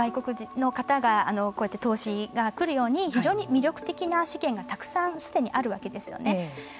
日本には外国の方がこうやって投資が来るように非常に魅力的な資源がたくさんすでにあるわけですよね。